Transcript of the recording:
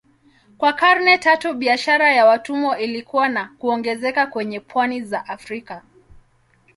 Kwa karne tatu biashara ya watumwa ilikua na kuongezeka kwenye pwani za Afrika.